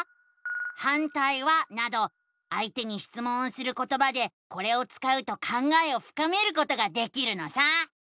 「反対は？」などあいてにしつもんをすることばでこれを使うと考えをふかめることができるのさ！